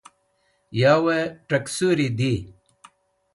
Yavey Tuksuri Di